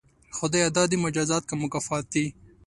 خدایه دا دې مجازات که مکافات دي؟